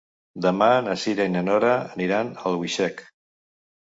Demà na Cira i na Nora aniran a Albuixec.